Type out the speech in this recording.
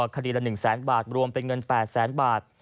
คดีละ๑แสนบาทรวมเป็นเงิน๘แสนบาท